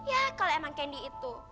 ya kalau emang candi itu